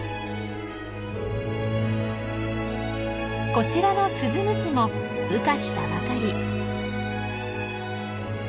こちらのスズムシも羽化したばかり。